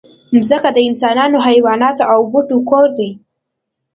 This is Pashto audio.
مځکه د انسانانو، حیواناتو او بوټو کور دی.